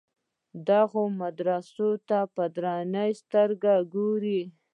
دغو مدرسو ته په درنه سترګه ګوري.